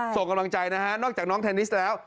ส่งกำลังใจนะฮะนอกจากน้องเทนนิสแล้ว